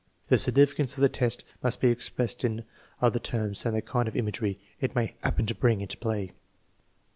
The significance of the test must be expressed in other terms than the kind of imagery it may happen to bring into play.